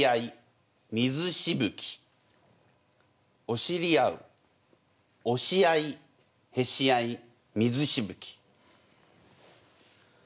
「おしりあうおしあいへしあい水しぶき」。